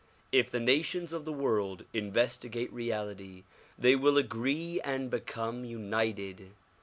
If the nations of the world investigate reality they will agree and become united.